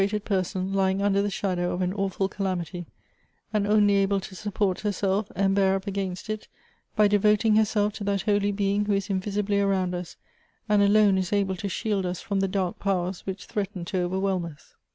ated person, lying under the shadow of an awful calamity, and only able to support 294 Goethe's herself and bear up against it by devoting herself to that Holy Being who is invisibly around us, and alone is able to shield us from the dark powers which threaten to overwhelm us."